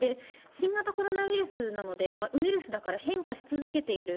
新型コロナウイルスなので、ウイルスだから変化し続けている。